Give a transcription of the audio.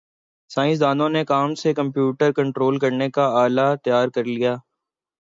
سائنسدانوں نے کام سے کمپیوٹر کنٹرول کرنے کا آلہ تیار کرلیا